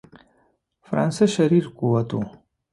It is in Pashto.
فرانسه شریر قوت وو.